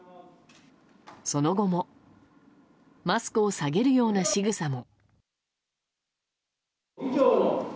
その後もマスクを下げるようなしぐさも。